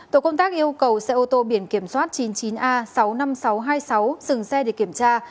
tổ công tác yêu cầu xe ô tô biển kiểm soát chín mươi chín a sáu mươi năm nghìn sáu trăm hai mươi sáu dừng xe để kiểm tra